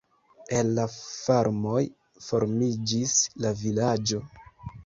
El la farmoj formiĝis la vilaĝo.